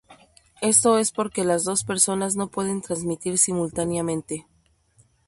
Esto es porque las dos personas no pueden transmitir simultáneamente.